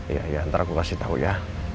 iya iya ntar aku kasih tau ya